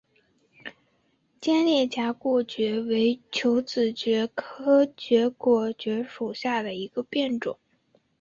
尖裂荚果蕨为球子蕨科荚果蕨属下的一个变种。